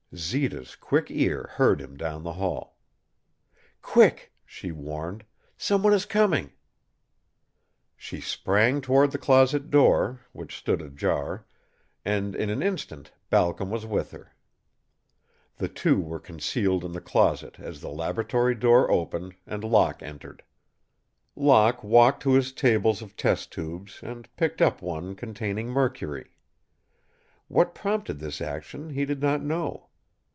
Zita's quick ear heard him down the hall. "Quick!" she warned. "Some one is coming!" She sprang toward the closet door, which stood ajar, and in an instant Balcom was with her. The two were concealed in the closet as the laboratory door opened and Locke entered. Locke walked to his table of test tubes and picked up one containing mercury. What prompted this action he did not know.